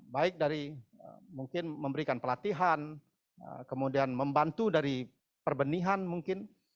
baik dari mungkin memberikan pelatihan kemudian membantu dari perbenihan mungkin